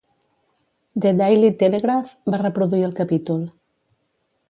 "The Daily Telegraph" va reproduir el capítol.